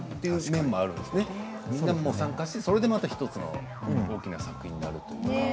みんなで参加して、それでまた１つの大きな作品になると。